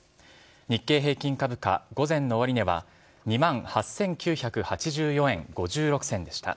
日経平均株価、午前の終値は２万８９８４円５６銭でした。